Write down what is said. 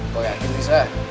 kok yakin bisa